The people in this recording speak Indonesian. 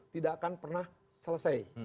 tidak akan pernah selesai